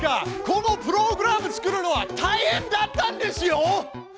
このプログラム作るのはたいへんだったんですよ！